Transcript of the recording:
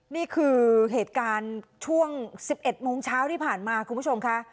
นี่คือเหตุการณ์ช่วง๑๑โมงเช้าที่ผ่านมาคุณผู้ชมค่ะ